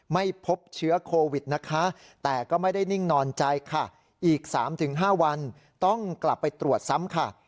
ไม่พบเชื้อโควิดนะคะแต่ก็ไม่ได้นิ่งนอนใจค่ะอีก๓๕วันต้องกลับไปตรวจซ้ำค่ะ